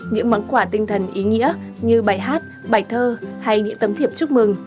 những món quà tinh thần ý nghĩa như bài hát bài thơ hay những tấm thiệp chúc mừng